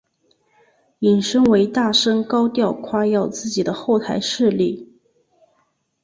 引申为大声高调夸耀自己的后台势力。